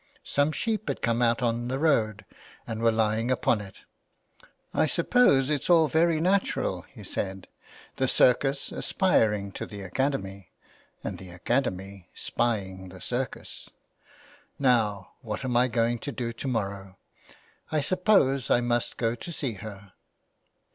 Some sheep had come out on the road and were lying upon it. *' I suppose it's all very natural," he said ;" the circus aspiring to the academy and the academy spying the circus. Now, what am I going to do to morrow ? I suppose I must go to see her."